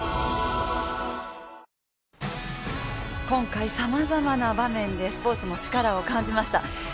今回、さまざまな場面で「スポーツのチカラ」を感じました。